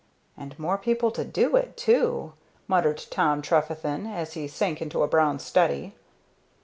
"And more people to do it, too," muttered Tom Trefethen, as he sank into a brown study.